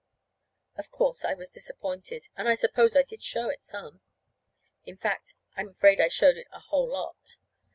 Of course, I was disappointed, and I suppose I did show it some. In fact, I'm afraid I showed it a whole lot.